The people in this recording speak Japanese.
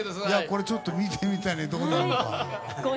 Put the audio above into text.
これ、ちょっと見てみたいね、どうなるか。